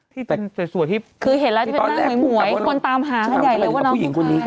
ตอนแรกปุ่นฟันผู้หญิงคนนี้ว่า